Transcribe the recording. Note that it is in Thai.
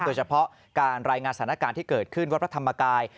โดยเฉพาะการรายงานสถานการณ์ที่เกิดขึ้นวัดพระธรรมกาย